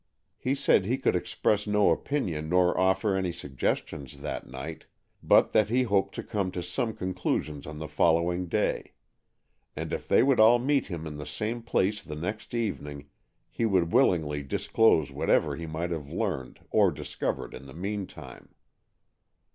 He said he could express no opinion nor offer any suggestion that night, but that he hoped to come to some conclusions on the following day; and if they would all meet him in the same place the next evening, he would willingly disclose whatever he might have learned or discovered in the meantime.